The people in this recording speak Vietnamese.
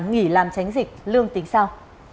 nghỉ làm tránh dịch lương tính sao